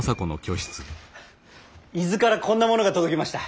伊豆からこんなものが届きました。